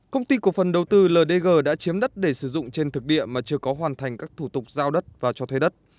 công ty cổ phần đầu tư ldg đã chiếm đất để sử dụng trên thực địa mà chưa có hoàn thành các thủ tục giao đất và cho thuê đất